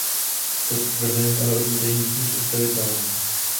Toto tvrzení ale odmítají místní představitelé.